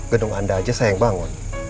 gedung anda aja saya yang bangun